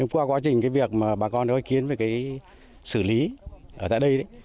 qua quá trình cái việc mà bà con đã ý kiến về cái xử lý ở tại đây